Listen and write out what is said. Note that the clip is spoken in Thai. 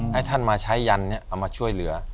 ให้ท่านมาใช้ยันนี้เอามาช่วยเหลือ